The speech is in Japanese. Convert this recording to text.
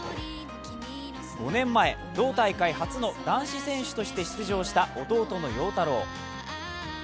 ５年前、同大会初の男子選手として出場した弟の陽太郎。